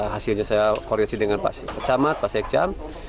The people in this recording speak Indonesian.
hasilnya saya koordinasi dengan pak kecamat pak seekcam